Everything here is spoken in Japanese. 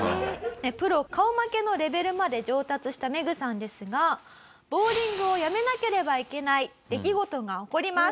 プロ顔負けのレベルまで上達したメグさんですがボウリングをやめなければいけない出来事が起こります。